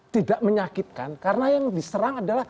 tidak menyakitkan karena yang diserang adalah